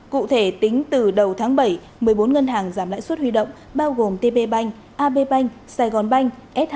cụ thể tính từ đầu tháng bảy một mươi bốn ngân hàng giảm lãi suất huy động bao gồm tp banh ab banh sài gòn banh sh